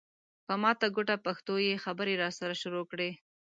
په ماته ګوډه پښتو یې خبرې راسره شروع کړې.